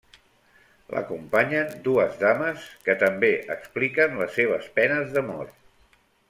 L'acompanyen dues dames, que també expliquen les seves penes d'amor.